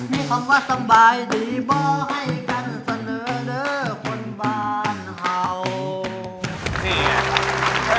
มีคำว่าสบายดีบ่ให้กันเสนอเด้อคนบ้านเห่า